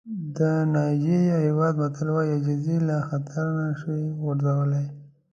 د نایجېریا هېواد متل وایي عاجزي له خطر نه شي ژغورلی.